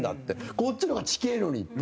こっちの方が近えのにって。